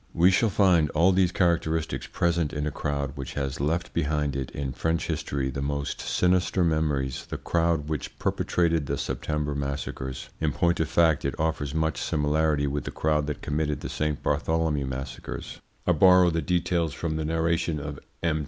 We shall find all these characteristics present in a crowd which has left behind it in French history the most sinister memories the crowd which perpetrated the September massacres. In point of fact it offers much similarity with the crowd that committed the Saint Bartholomew massacres. I borrow the details from the narration of M.